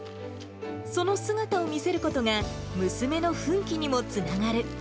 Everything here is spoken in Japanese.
その姿を見せることが、娘の奮起にもつながる。